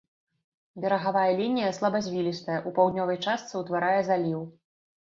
Берагавая лінія слабазвілістая, у паўднёвай частцы ўтварае заліў.